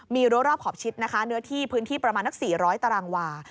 มีร่วมรอบขอบชิดเนื้อที่พื้นที่ประมาณ๔๐๐ตารางวา